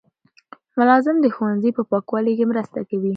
ملازم د ښوونځي په پاکوالي کې مرسته کوي.